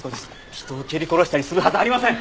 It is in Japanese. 人を蹴り殺したりするはずありません！